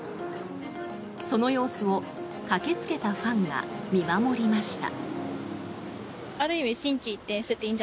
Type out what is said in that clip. その様子を駆けつけたファンが見守りました。